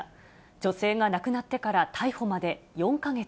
女性が亡くなってから逮捕まで４か月。